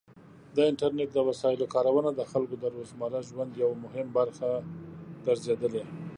د انټرنیټ د وسایلو کارونه د خلکو د روزمره ژوند یو مهم برخه ګرځېدلې.